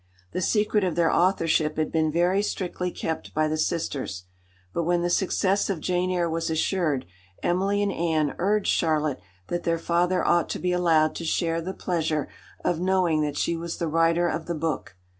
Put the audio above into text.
The secret of their authorship had been very strictly kept by the sisters; but when the success of Jane Eyre was assured, Emily and Anne urged Charlotte that their father ought to be allowed to share the pleasure of knowing that she was the writer of the book.